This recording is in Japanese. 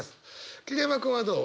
桐山君はどう？